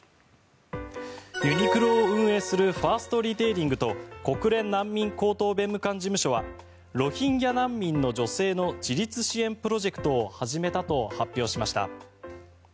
ユニクロを運営するファーストリテイリングと国連難民高等弁務官事務所はロヒンギャ難民の女性の自立支援プロジェクトを始めたと発表しました。